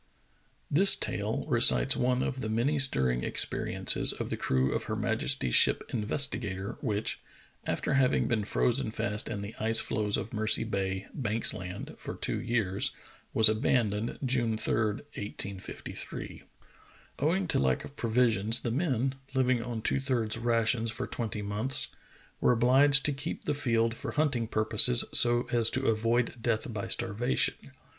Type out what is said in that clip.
THIS tale recites one of the many stirring experi ences of the crew of her majesty's ship Investigatory which, after having been frozen fast in the ice floes of Mercy Bay, Banks Land, for two years, was abandoned, June 3, 1853. Owing to lack of provisions, the men, living on two thirds rations for twenty months, were obliged to keep the field for hunting purposes so as to avoid death by starvation.